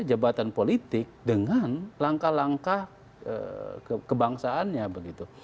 jabatan politik dengan langkah langkah kebangsaannya begitu